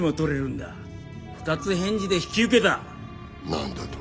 何だと？